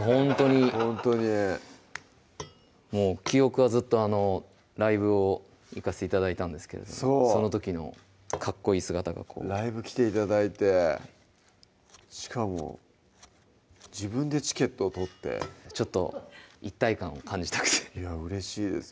ほんとにほんとにもう記憶はずっとあのライブを行かせて頂いたんですけれどもその時のかっこいい姿がこうライブ来て頂いてしかも自分でチケットを取ってちょっと一体感を感じたくていやうれしいです